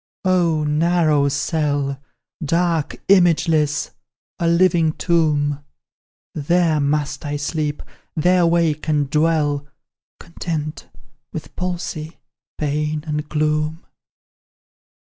Oh! narrow cell; Dark imageless a living tomb! There must I sleep, there wake and dwell Content, with palsy, pain, and gloom."